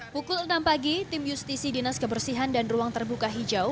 pukul enam pagi tim justisi dinas kebersihan dan ruang terbuka hijau